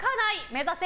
目指せ！